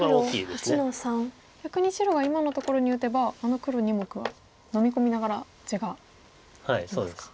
逆に白が今のところに打てばあの黒２目はのみ込みながら地ができますか。